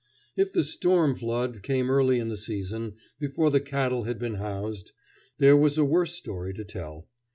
If the "storm flood" came early in the season, before the cattle had been housed, there was a worse story to tell.